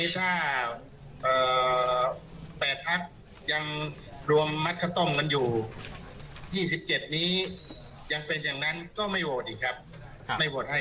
ฐานต่างรวมความปรับสุดสำหรับพวกคุณ